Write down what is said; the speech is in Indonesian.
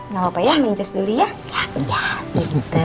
gak apa apa ya menjus dulu ya